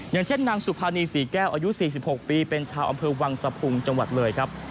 อย่างเช่นนางสุภานีศรีแก้วอายุ๔๖ปีเป็นชาวอำเภอวังสะพุงจังหวัดเลยครับ